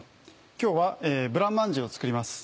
今日はブラマンジェを作ります。